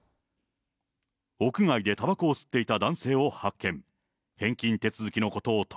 屋外でたばこを吸っていた男性を発見。